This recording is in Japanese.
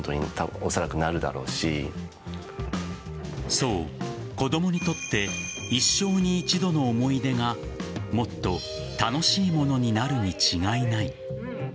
そう、子供にとって一生に一度の思い出がもっと楽しいものになるに違いない。